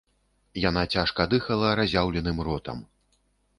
Яна цяжка дыхала разяўленым ротам.